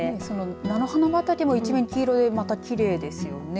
菜の花畑も一面黄色いきれいですよね。